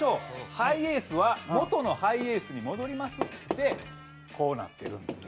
ハイエースは元のハイエースに戻りますっつってこうなってるんですよ。